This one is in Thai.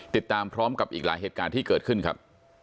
ติดตามพร้อมกับอีกหลายเหตุการณ์ที่เกิดขึ้นครับ